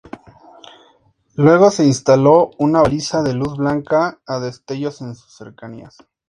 Luego se instaló una baliza de luz blanca a destellos en sus cercanías.